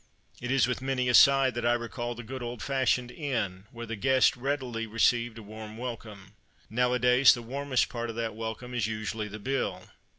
It is with many a sigh that I recall the good old fashioned inn, where the guest really received a warm welcome. Nowadays, the warmest part of that welcome is usually the bill.